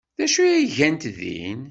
D acu ay gant din?